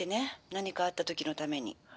何かあった時のために」。